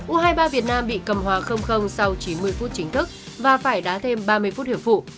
u hai mươi ba việt nam bị cầm hòa sau chín mươi phút chính thức và phải đá thêm ba mươi phút hiệp vụ